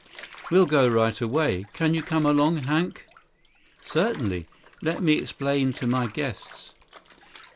"We'll go right away. Can you come along, Hank?" "Certainly. Let me explain to my guests."